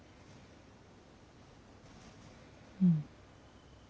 うん。